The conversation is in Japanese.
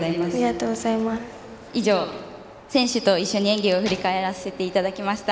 以上、選手と一緒に演技を振り返らせていただきました。